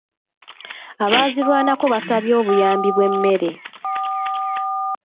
Abaazirwanako baasabye obuyambi bw'emmere .